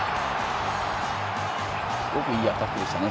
すごくいいアタックでしたね。